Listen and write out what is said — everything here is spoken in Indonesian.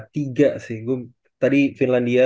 tiga sih tadi finlandia